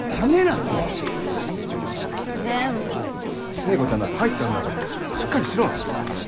聖子ちゃんだって入ったんだからしっかりしろ。